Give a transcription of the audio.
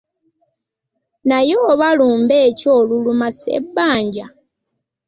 Naye oba lumbe ki oluluma Ssebbanja?